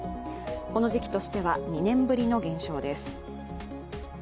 この時期としては２年ぶりの減少です。